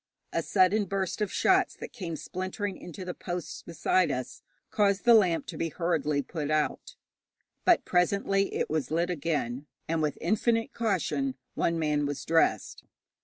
A sudden burst of shots that came splintering into the posts beside us caused the lamp to be hurriedly put out; but presently it was lit again, and with infinite caution one man was dressed.